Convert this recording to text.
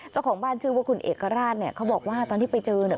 เจ้าของบ้านชื่อว่าคุณเอกราชเนี่ยเขาบอกว่าตอนที่ไปเจอเนี่ย